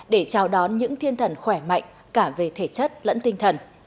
để chào đón những thiên thần khỏe mạnh cả về thể chất lẫn tinh thần